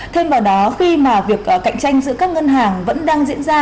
thêm vào đó khi mà việc cạnh tranh giữa các ngân hàng vẫn đang diễn ra